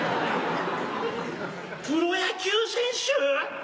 プロ野球選手⁉